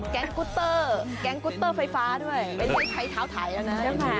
กุตเตอร์แก๊งกุตเตอร์ไฟฟ้าด้วยไม่ได้ใช้เท้าถ่ายแล้วนะ